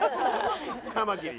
カマキリ。